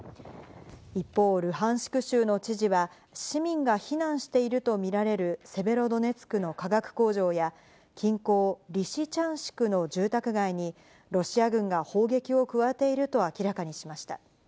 一方、ルハンシク州の知事は、市民が避難していると見られるセベロドネツクの化学工場や近郊リシチャンシクの住宅街に、ロシア軍が砲撃を加えていると明らかにしました。